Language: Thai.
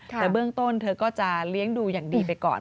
แต่เบื้องต้นเธอก็จะเลี้ยงดูอย่างดีไปก่อน